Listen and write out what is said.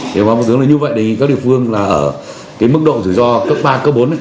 thế báo báo tướng là như vậy đề nghị các địa phương là ở cái mức độ rủi ro cấp ba cấp bốn